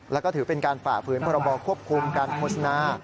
แล้วก็ถือเป็นการฝ่าฝืนพรบควบคุมการโฆษณา